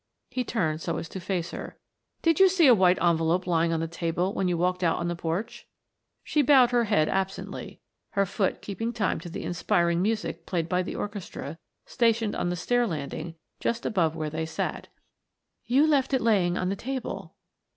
He turned so as to face her. "Did you see a white envelope lying on the table when you walked out on the porch?" She bowed her head absently, her foot keeping time to the inspiring music played by the orchestra stationed on the stair landing just above where they sat. "You left it lying on the table."